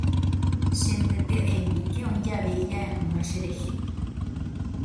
Chembyetia'emíke oĩ jave ijae'ỹva cherehe.